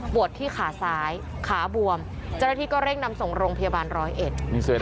ที่ขาซ้ายขาบวมเจ้าหน้าที่ก็เร่งนำส่งโรงพยาบาลร้อยเอ็ด